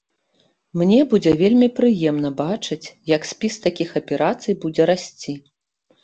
Мне будзе вельмі прыемна бачыць, як спіс такіх аперацый будзе расці.